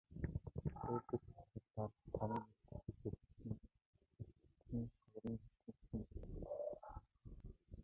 Ээлжит бус хурлаар таван нэр дэвшигч өрсөлдсөнөөс хоёр нь эцсийн шатанд шалгарлаа.